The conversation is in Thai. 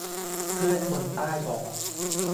เพื่อนคนใต้บอก